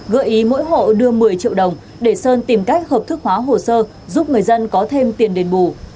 gợi ý mỗi hộ đưa một mươi triệu đồng để sơn tìm cách hợp thức hóa hồ sơ giúp người dân có thêm tiền đền bù